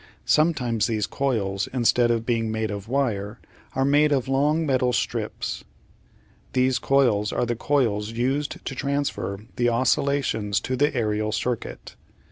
Sometimes these coils, instead of being made of wire, are made of long metal strips. These coils are the coils used to transfer the oscillations to the aerial circuit.